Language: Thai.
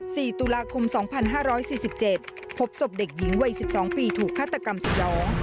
สีตุลาคม๒๕๔๗พบศพเด็กหญิงวัย๑๒ปีถูกฆาตกรรมสยอง